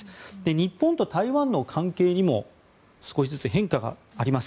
日本と台湾の関係にも少しずつ変化があります。